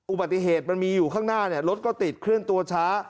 อุบัติเหตุมันมีอยู่ข้างหน้ารถก็ติดเคลื่อนตัวช้า